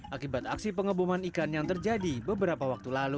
akibat aksi pengeboman ikan yang terjadi beberapa waktu lalu